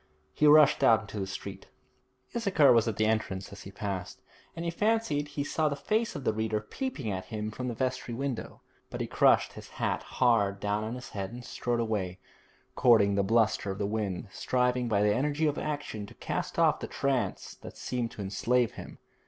He rushed out into the street. Issachar was at the entrance as he passed, and he fancied he saw the face of the reader peeping at him from the vestry window, but he crushed his hat hard down on his head and strode away, courting the bluster of the wind, striving by the energy of action to cast off the trance that seemed to enslave him.